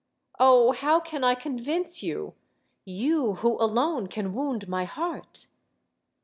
Oh, how can I convince you you who alone can wound my heart?